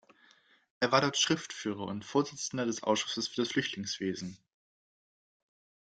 Er war dort Schriftführer und Vorsitzender des Ausschusses für das Flüchtlingswesen.